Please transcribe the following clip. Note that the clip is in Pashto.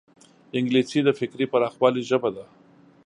انګلیسي د فکري پراخوالي ژبه ده